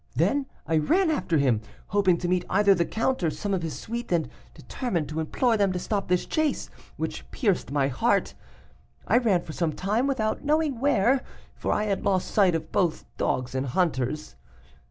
Then I ran after him, hoping to meet either the count or some of his suite and determined to implore them to stop this chase, which pierced my heart. I ran for some time without knowing where, for I had lost sight of both dogs and hunters.